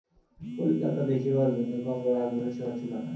কলিকাতা দেখিবার জন্য কমলার আগ্রহের সীমা ছিল না।